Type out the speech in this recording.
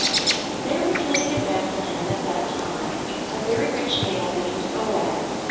There was living in Bethlehem at that time a very rich man named Boaz.